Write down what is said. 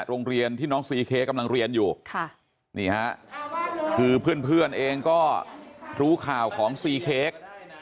โรงเรียนที่น้องซีเค้กกำลังเรียนอยู่ค่ะนี่ฮะคือเพื่อนเองก็รู้ข่าวของซีเค้ก